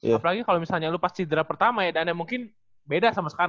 apalagi kalo misalnya lu pas sederah pertama ya dan ya mungkin beda sama sekarang